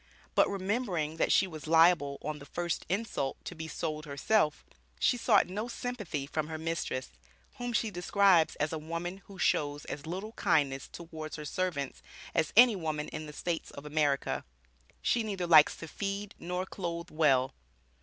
But remembering that she was liable, "on the first insult," to be sold herself, she sought no sympathy from her mistress, whom she describes as "a woman who shows as little kindness towards her servants as any woman in the States of America. She neither likes to feed nor clothe well."